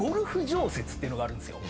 ていうのがあるんですよ。